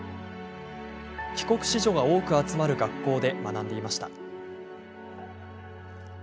帰国子女が多く集まる学校で学んでいました。